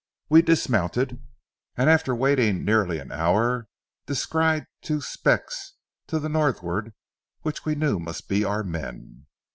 We dismounted, and after waiting nearly an hour, descried two specks to the northward which we knew must be our men.